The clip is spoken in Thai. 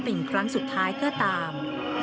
เป็นครั้งสุดท้ายก็ตาม